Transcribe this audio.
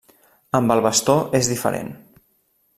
Amb el bastó és diferent.